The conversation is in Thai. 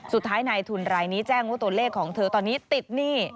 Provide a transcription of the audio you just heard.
สุดท้ายนายทุนรายนี้แจ้งว่าตัวเลขของเธอตอนนี้ติดหนี้